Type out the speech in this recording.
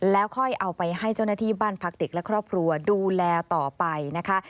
แล้วค่อยเอาไปให้เจ้าหน้าที่บ้านพักเด็กและครอบครัวดูแลต่อไปนะคะ